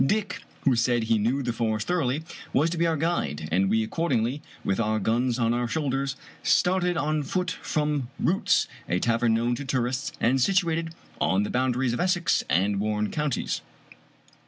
Dick, who said he knew the forest thoroughly, was to be our guide, and we accordingly, with our guns on our shoulders, started on foot from Root's, a tavern known to tourists, and situated on the boundaries of Essex and Warren counties.